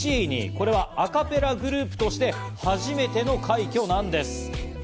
これはアカペラグループとして、初めての快挙なんです！